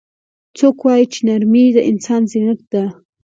څوک وایي چې نرمۍ د انسان زینت ده